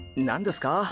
何ですか？